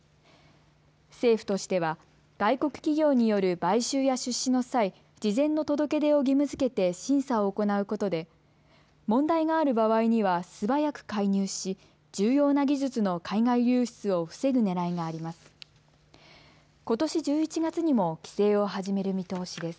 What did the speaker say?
政府としては外国企業による買収や出資の際、事前の届け出を義務づけて審査を行うことで問題がある場合には素早く介入し重要な技術の海外流出を防ぐねらいがあります。